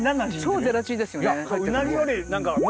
超ゼラチンですよね。